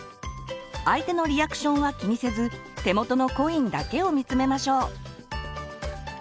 相手のリアクションは気にせず手元のコインだけを見つめましょう。